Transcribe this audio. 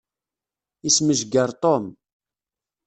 Yesmejger Tom.